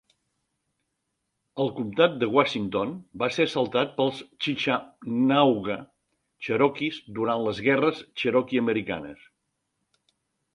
El comtat de Washington va ser assaltat pels chickamauga cherokees durant les guerres cherokee-americanes.